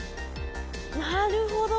なるほど。